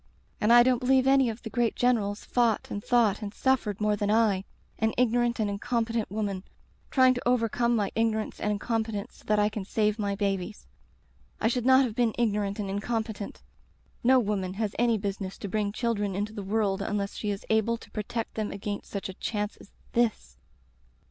'And I don't believe any of the great generals fought and thought and suffered more than I — an ignorant and incompetent woman — trying to overcome my ignorance and incompetence so that I can save my babies. ... I should not have been igno ant and incompetent. No woman has any business to bring children into the world unless she is able to protect them against such a chance as this.